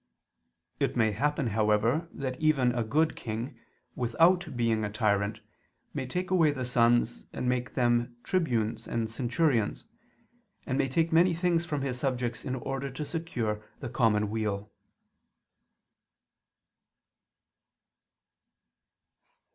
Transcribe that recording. It may happen, however, that even a good king, without being a tyrant, may take away the sons, and make them tribunes and centurions; and may take many things from his subjects in order to secure the common weal.